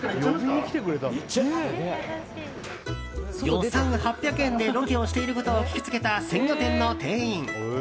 予算８００円でロケをしていることを聞きつけた鮮魚店の店員。